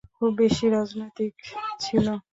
খুব বেশি রাজনৈতিক ছিল?